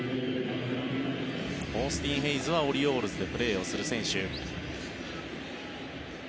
オースティン・ヘイズはオリオールズでプレーをする選手。